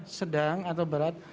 sudah sedang atau berat